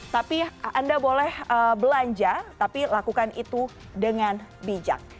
tapi anda boleh belanja tapi lakukan itu dengan bijak